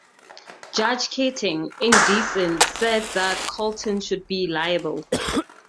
Judge Keating, in dissent, said that Carlton should be liable.